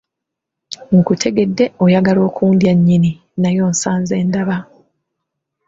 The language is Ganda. Nkutegedde oyagala okundya nnyini, naye osanze ndaba.